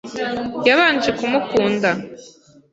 Yabanje kumukunda.